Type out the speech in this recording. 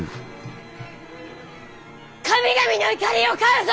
神々の怒りを買うぞ。